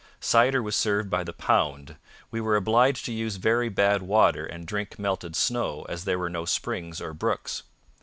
'Cider was served by the pound. We were obliged to use very bad water and drink melted snow, as there were no springs or brooks.'